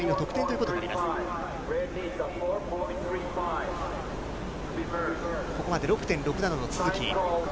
ここまで６．６７の都筑。